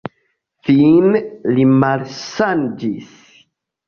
Fine, li malsaniĝis.